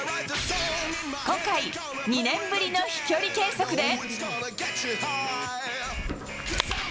今回、２年ぶりの飛距離計測で。